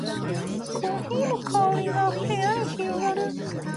コーヒーの香りが部屋に広がる